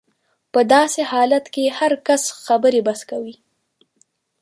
په داسې حالت کې هر کس خبرې بس کوي.